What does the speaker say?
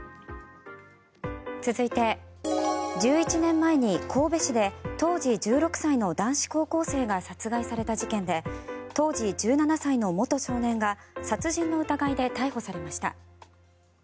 続いて１１年前に神戸市で当時１６歳の男子高校生が殺害された事件で当時１７歳の元少年が殺人の疑いで逮捕されました。